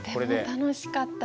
楽しかった？